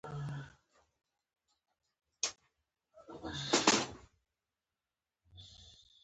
سلطان د هغه له ژبې څخه سخت بېرېدلی و.